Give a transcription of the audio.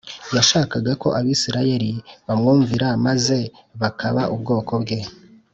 Yashakaga ko abisirayeli bamwumvira maze bakaba ubwoko bwe